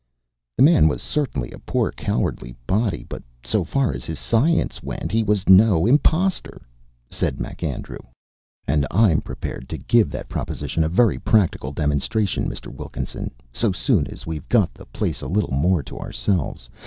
"The man was certainly a poor, cowardly body, but so far as his science went he was NO impostor," said MacAndrew, "and I'm prepared to give that proposition a very practical demonstration, Mr. Wilkinson, so soon as we've got the place a little more to ourselves.